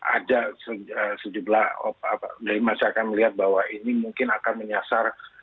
ada sejumlah dari masyarakat melihat bahwa ini mungkin akan menyasar